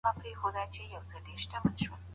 لکۍ لرونکي ستوري د نورو ستورو جاذبې ته حساس دي.